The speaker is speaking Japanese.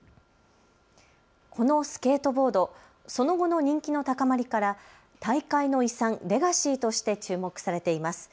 このスケートボード、その後の人気の高まりから大会の遺産・レガシーとして注目されています。